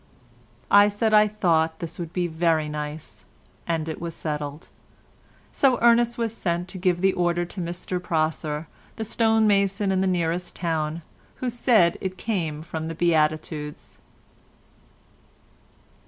'" I said I thought this would be very nice, and it was settled. So Ernest was sent to give the order to Mr Prosser, the stonemason in the nearest town, who said it came from "the Beetitudes."